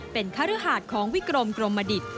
เป็นคฤหาสของวิกรมกรมดิต